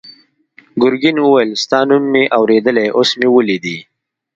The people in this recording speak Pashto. ګرګین وویل ستا نوم مې اورېدلی اوس مې ولیدې.